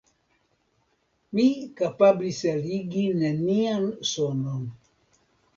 Mi kapablis eligi nenian sonon.